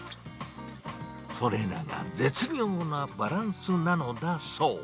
それらが絶妙なバランスなのだそう。